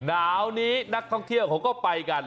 หนาวนี้นักท่องเที่ยวเขาก็ไปกัน